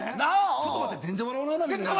ちょっと待って全然笑わないな。